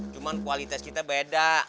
cuma kualitas kita beda